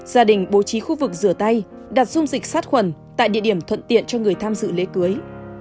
gia đình bố trí khu vực rửa tay đặt dung dịch sát khuẩn tại địa điểm thuận tiện cho người tham dự lễ cưới